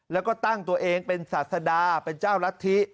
แล้วก็ตั้งตัวเองเป็นศาสดาเป็นเจ้ารัฐธิ